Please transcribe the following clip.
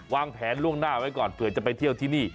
วางแผนล่วงหน้าไว้ก่อนเผื่อจะไปเที่ยวที่นี่